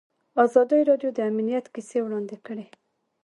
ازادي راډیو د امنیت کیسې وړاندې کړي.